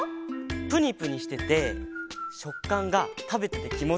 ぷにぷにしててしょっかんがたべててきもちいいんだよね。